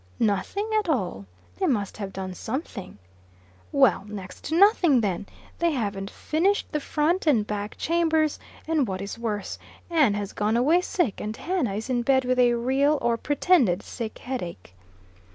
"Nothing at all! They must have done something." "Well, next to nothing, then. They havn't finished the front and back chambers. And what is worse, Ann has gone away sick, and Hannah is in bed with a real or pretended sick headache."